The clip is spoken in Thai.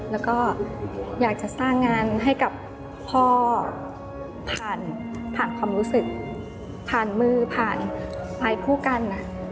แล้วก็อยากจะสร้างงานให้กับพ่อผ่านผ่านความรู้สึกผ่านมือผ่านลายคู่กัน